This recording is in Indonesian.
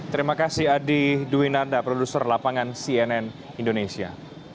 terima kasih adi dwinanda produser lapangan cnn indonesia